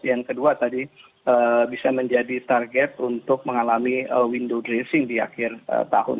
yang kedua tadi bisa menjadi target untuk mengalami window dressing di akhir tahun